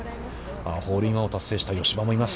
ホールインワンを達成した葭葉もいます。